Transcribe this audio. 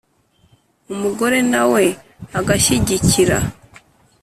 umugore na we agashyigikira